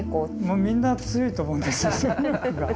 もうみんな強いと思うんですよ。